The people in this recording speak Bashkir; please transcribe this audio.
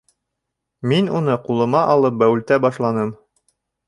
Мин уны ҡулыма алып бәүелтә башланым.